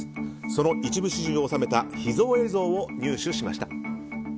その一部始終を収めた秘蔵映像を入手しました。